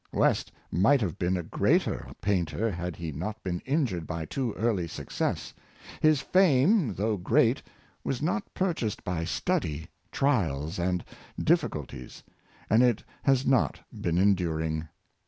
West might have been a greater painter had he not been injured by too early success: his fame, though great, was not purchased by study, trials, and difficul ties, and it has not been enduring.